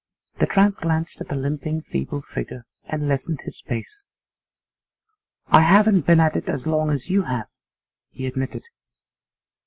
The tramp glanced at the limping, feeble figure and lessened his pace. 'I haven't been at it as long as you have,' he admitted.